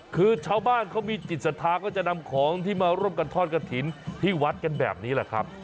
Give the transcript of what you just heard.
คือชาวบ้านเขามีจิตศรัทธาก็จะนำของที่มาร่วมกันทอดกระถิ่นที่วัดกันแบบนี้แหละครับ